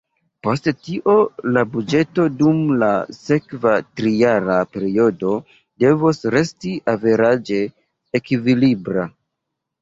Post tio la buĝeto dum la sekva trijara periodo devos resti averaĝe ekvilibra.